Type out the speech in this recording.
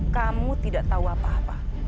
kamu tidak tahu apa apa